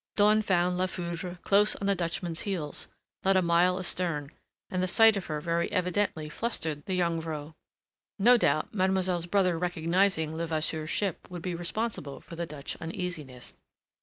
Dawn found La Foudre close on the Dutchman's heels, not a mile astern, and the sight of her very evidently flustered the Jongvrow. No doubt mademoiselle's brother recognizing Levasseur's ship would be responsible for the Dutch uneasiness.